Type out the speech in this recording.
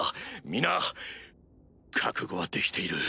皆覚悟はできている。